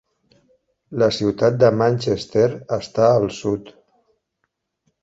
La ciutat de Manchester està al sud.